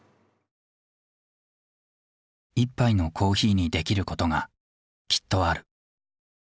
１杯のコーヒーにできることがきっとある。